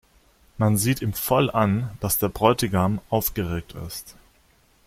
Man sieht ihm voll an, dass der Bräutigam aufgeregt ist.